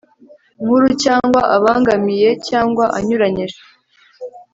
nkuru cyangwa abangamiye cyangwa anyuranije